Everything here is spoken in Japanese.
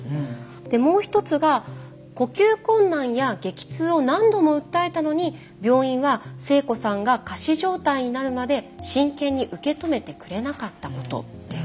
もう一つが「呼吸困難や激痛を何度も訴えたのに病院は星子さんが仮死状態になるまで真剣に受け止めてくれなかったこと」です。